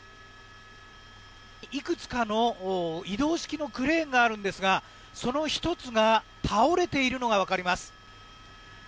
いくつかの移動式のクレーンがあるんですがその１つが倒れているのが分かります。